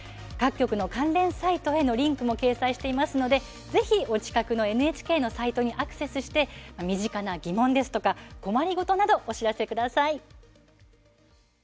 各局の関連サイトへのリンクも掲載しているのでぜひ、お近くのＮＨＫのサイトにアクセスして身近な疑問や、困り事などをお知らせください。